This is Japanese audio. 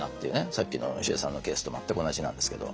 さっきのよしえさんのケースと全く同じなんですけど。